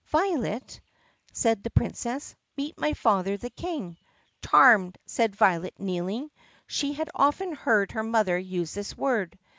"Violet," said the Princess, "meet my father the King." "Charmed," said Violet kneeling. She had often heard her mother use this word.